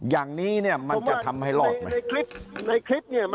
อย่างนี้เนี่ยมันจะทำให้รอดไหมผมว่าในคลิปเนี่ย